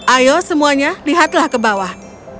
ayo semuanya lihatlah ke bawah